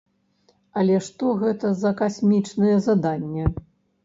Але што гэта за касмічнае заданне?